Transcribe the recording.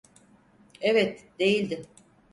Evet, değildi.